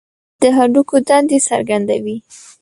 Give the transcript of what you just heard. سکلیټ د هډوکو دندې څرګندوي.